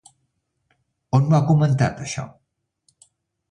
On ho ha comentat això?